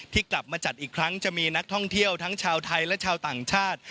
กลับมาจัดอีกครั้งจะมีนักท่องเที่ยวทั้งชาวไทยและชาวต่างชาติ